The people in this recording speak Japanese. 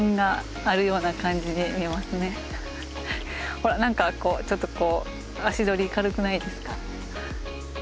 ほらなんかちょっとこう足取り軽くないですか？